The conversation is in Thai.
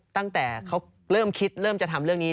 ตั้งแต่เขาเริ่มคิดเริ่มจะทำเรื่องนี้